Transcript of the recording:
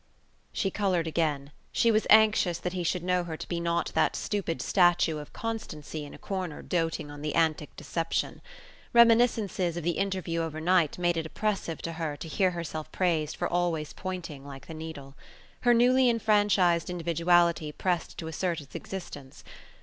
She coloured again. She was anxious that he should know her to be not that stupid statue of Constancy in a corner doating on the antic Deception. Reminiscences of the interview overnight made it oppressive to her to hear herself praised for always pointing like the needle. Her newly enfranchised individuality pressed to assert its existence.